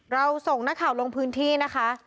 เราส่งนักข่าวลงพื้นที่นะคะ